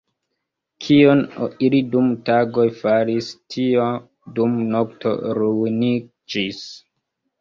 Kion ili dum tago faris, tio dum nokto ruiniĝis.